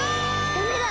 ダメだ！